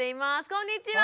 こんにちは！